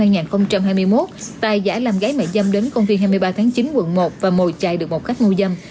nguyễn chính thiêm đến công viên hai mươi ba tháng chín quận một và mồi chạy được một khách mua dâm